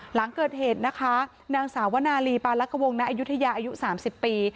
หลังเกิดเหตุนะคะนางสาวนาลีปาลักวงณอายุทยาอายุ๓๐ปี